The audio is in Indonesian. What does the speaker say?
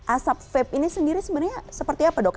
asap vape ini sendiri sebenarnya seperti apa dok